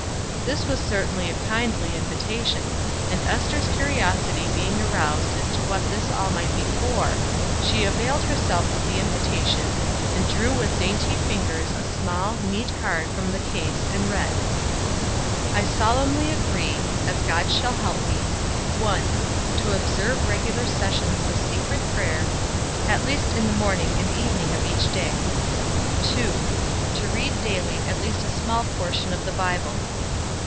This was certainly a kindly invitation; and Ester's curiosity being aroused as to what all this might be for, she availed herself of the invitation, and drew with dainty fingers a small, neat card from the case, and read: I SOLEMNLY AGREE, As God Shall Help Me: 1. To observe regular seasons of secret prayer, it least in the morning and evening of each day. 2. To read daily at least a small portion of the Bible.